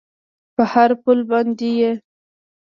په هر پل باندې یې